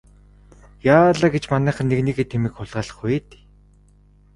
Яалаа гэж манайхан нэгнийхээ тэмээг хулгайлах вэ дээ.